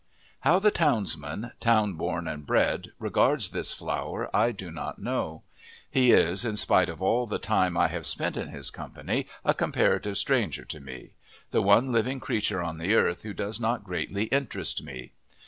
How the townsman, town born and bred, regards this flower, I do not know. He is, in spite of all the time I have spent in his company, a comparative stranger to me the one living creature on the earth who does not greatly interest me.